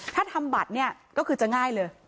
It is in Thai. ถ้าทำบัตรเนี่ยก็คือจะง่ายเลย